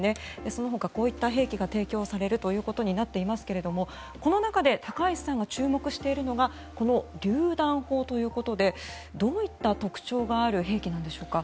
そのほかこういった兵器が提供されるとなっていますがこの中で高橋さんが注目しているのがこのりゅう弾砲ということでどういった特徴がある兵器なんでしょうか？